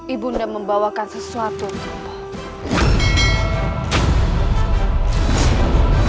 ibu anda membawakan sesuatu kembali